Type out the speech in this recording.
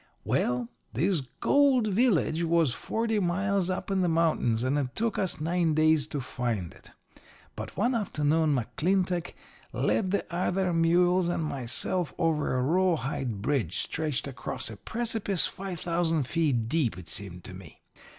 "Well, this gold village was forty miles up in the mountains, and it took us nine days to find it. But one afternoon McClintock led the other mules and myself over a rawhide bridge stretched across a precipice five thousand feet deep, it seemed to me.